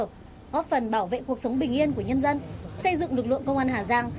góp phần bảo vệ cuộc sống bình yên của nhân dân xây dựng lực lượng công an hà giang